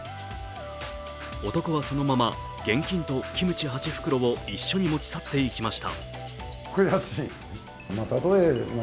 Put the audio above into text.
男はそのまま現金とキムチ８袋を一緒に持ち去っていきました。